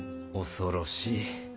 恐ろしい。